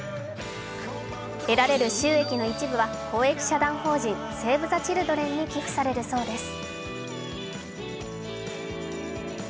得られる収益の一部は公益社団法人セーブ・ザ・チルドレンに寄付されるそうです。